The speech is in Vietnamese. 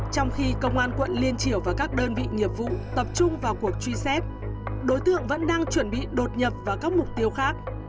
trong khi công an quận liên triểu và các đơn vị nghiệp vụ tập trung vào cuộc truy xét đối tượng vẫn đang chuẩn bị đột nhập vào các mục tiêu khác